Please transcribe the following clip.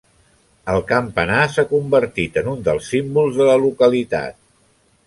El campanar s'ha convertit en un dels símbols de la localitat.